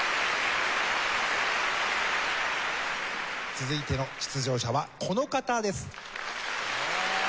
続いての出場者はこの方です。